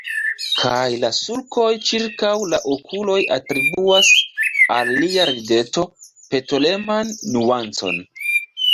Kaj la sulkoj ĉirkaŭ la okuloj atribuas al lia rideto petoleman nuancon.